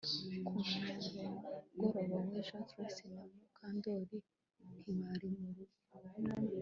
Ku mugoroba wejo Trix na Mukandoli ntibari mu rugo